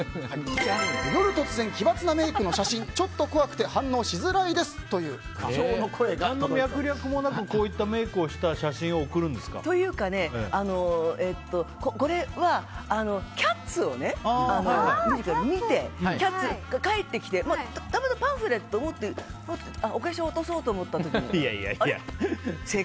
夜突然、奇抜なメイクの写真ちょっと怖くて反応しづらいですという声が何の脈絡もなくこういったメイクをした写真をというか、これは「キャッツ」を見て帰ってきてたまたまパンフレットを持ってお化粧、落とそうと思った時にあれ？